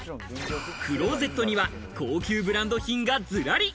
クローゼットには高級ブランド品がずらり。